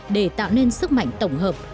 để tạo nên sức mạnh tổng hợp